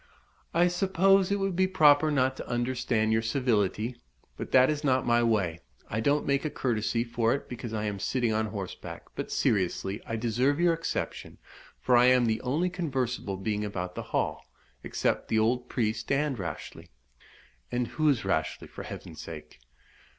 "I suppose it would be proper not to understand your civility? But that is not my way I don't make a courtesy for it because I am sitting on horseback. But, seriously, I deserve your exception, for I am the only conversable being about the Hall, except the old priest and Rashleigh." "And who is Rashleigh, for Heaven's sake?"